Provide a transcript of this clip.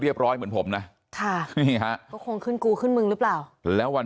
ร้อยเหมือนผมนะค่ะนี่ฮะก็คงขึ้นกูขึ้นมึงหรือเปล่าแล้ววัน